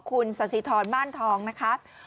คุณสาธิธรบ้านทองนะครับ